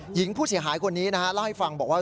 หญิงผู้เสียหายคนนี้นะฮะเล่าให้ฟังบอกว่า